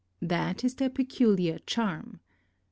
That is their peculiar charm.